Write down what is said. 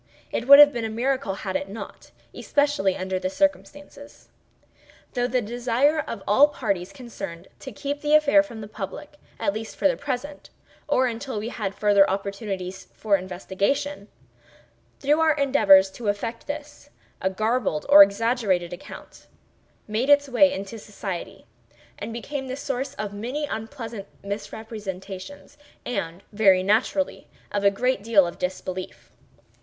It would have been a miracle had it not—especially under the circumstances. Through the desire of all parties concerned, to keep the affair from the public, at least for the present, or until we had farther opportunities for investigation—through our endeavors to effect this—a garbled or exaggerated account made its way into society, and became the source of many unpleasant misrepresentations; and, very naturally, of a great deal of disbelief.